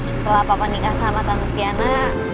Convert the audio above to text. setelah papa nikah sama tante tiana